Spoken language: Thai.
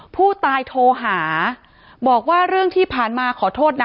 ผู้ตายโทรหาบอกว่าเรื่องที่ผ่านมาขอโทษนะ